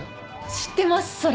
知ってますそれ。